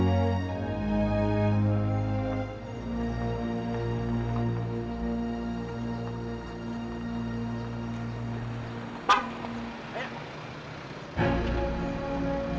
sekarang sudah pear whenever you say ya